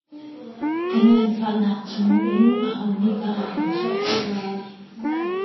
Kan nganfahnak chungin aho nih dah a kan chuah khawh lai?